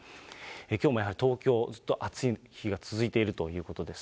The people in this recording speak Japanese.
きょうもやはり、東京ずっと暑い日が続いているということです。